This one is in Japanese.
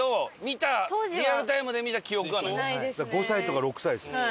５歳とか６歳ですもんね。